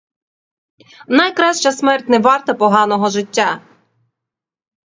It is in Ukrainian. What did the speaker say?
Найкраща смерть не варта поганого життя!